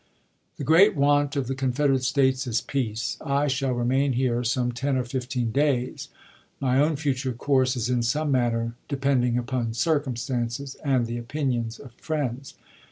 The great want of the Confederate States is peace. I shall remain here some ten or fifteen days. My own future course is in some manner depending upon circum stances and the opinions of friends.